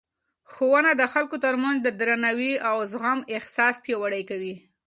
ښوونه د خلکو ترمنځ د درناوي او زغم احساس پیاوړی کوي.